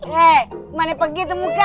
hei mana pergi tuh muka